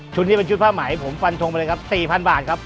นี้เป็นชุดผ้าไหมผมฟันทงไปเลยครับ๔๐๐บาทครับ